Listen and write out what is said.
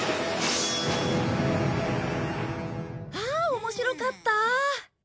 あ面白かった。